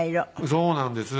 そうなんです。